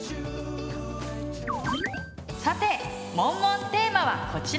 さてモンモンテーマはこちら！